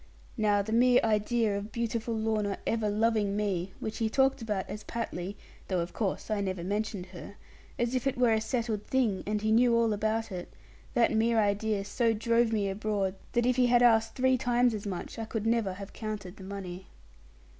Now the mere idea of beautiful Lorna ever loving me, which he talked about as patly (though of course I never mentioned her) as if it were a settled thing, and he knew all about it, that mere idea so drove me abroad, that if he had asked three times as much, I could never have counted the money.